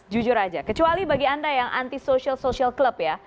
jujur aja kecuali bagi anda yang anti social social club ya